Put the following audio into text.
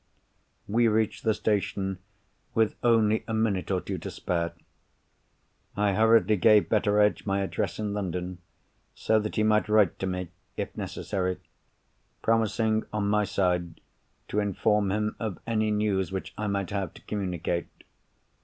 We reached the station, with only a minute or two to spare. I hurriedly gave Betteredge my address in London, so that he might write to me, if necessary; promising, on my side, to inform him of any news which I might have to communicate.